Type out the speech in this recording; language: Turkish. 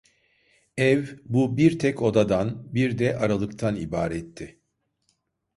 Ev bu bir tek odadan, bir de aralıktan, ibaretti.